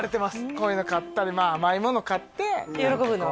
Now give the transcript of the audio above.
こういうの買ったりまあ甘いもの買ってで喜ぶの？